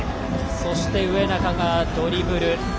そして植中がドリブル。